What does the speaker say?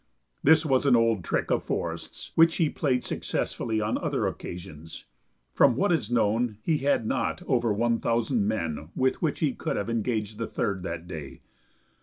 This was an old trick of Forest's, which he played successfully on other occasions. From what is known, he had not over one thousand men with which he could have engaged the Third that day.